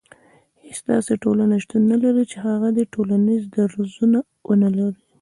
هيڅ داسي ټولنه شتون نه لري چي هغه دي ټولنيز درځونه ونلري